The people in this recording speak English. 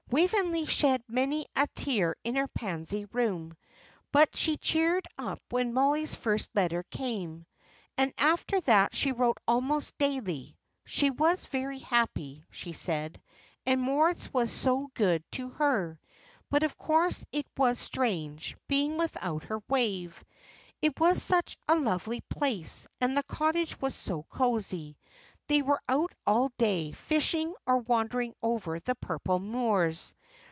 Waveney shed many a tear in her Pansy Room. But she cheered up when Mollie's first letter came. And after that she wrote almost daily. She was very happy, she said, and Moritz was so good to her. But of course it was strange, being without her Wave. It was such a lovely place, and the cottage was so cosy. They were out all day, fishing, or wandering over the purple moors.